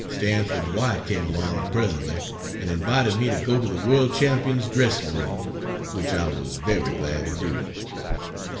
Stanford White came along presently and invited me to go to the World Champion's dressing room, which I was very glad to do.